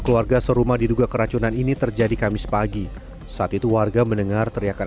keluarga serumah diduga keracunan ini terjadi kamis pagi saat itu warga mendengar teriakan